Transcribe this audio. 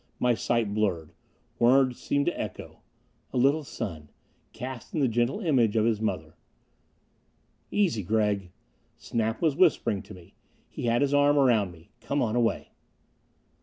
My sight blurred. Words seemed to echo: "A little son, cast in the gentle image of his mother...." "Easy, Gregg!" Snap was whispering to me. He had his arm around me. "Come on away!"